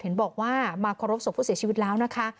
เห็นบอกว่ามาเคารพศพผู้เสียชีวิตแล้วนะคะ